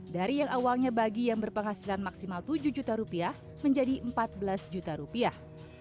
dari yang awalnya bagi yang berpenghasilan maksimal tujuh juta rupiah menjadi empat belas juta rupiah